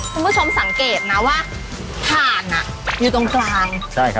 คุณผู้ชมสังเกตนะว่าฐานอยู่ตรงกลาง